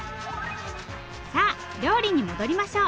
さあ料理に戻りましょう。